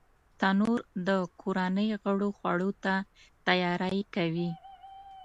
تنور د کورنۍ غړو خوړو ته تیاری کوي